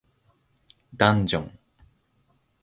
ダンジョン